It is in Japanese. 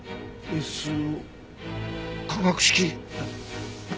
ＳＯ化学式。